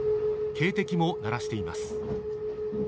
警笛も鳴らしています。